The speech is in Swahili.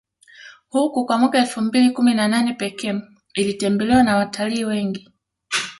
huku kwa mwaka elfu mbili kumi na nane Pekee ilitembelewa na watalii wengi